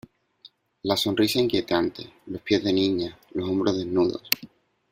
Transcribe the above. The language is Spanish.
la sonrisa inquietante, los pies de niña , los hombros desnudos